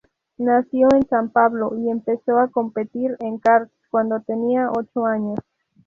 Nació en San Pablo, y empezó a competir en karts cuando tenía ocho años.